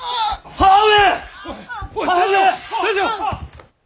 母上！